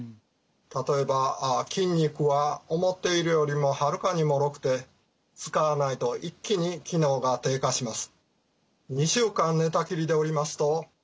例えば筋肉は思っているよりもはるかにもろくて使わないと一気に機能が低下します。